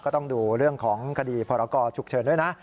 ต้องดูเรื่องของคดีพรกรฉุกเฉินด้วยนะ